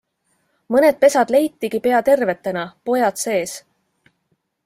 Mõned pesad leitigi pea tervetena, pojad sees.